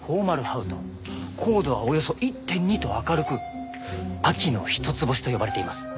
光度はおよそ１．２と明るく秋の一つ星と呼ばれています。